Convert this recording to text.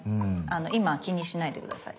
今は気にしないで下さい。